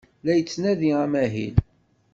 La yettnadi amahil.